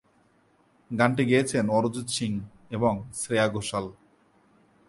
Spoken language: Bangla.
গানটি গেয়েছেন অরিজিৎ সিং এবং শ্রেয়া ঘোষাল।